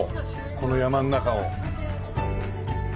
この山の中を。